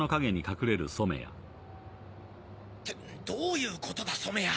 どういうことだ染谷？